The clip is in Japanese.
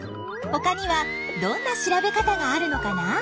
ほかにはどんな調べ方があるのかな？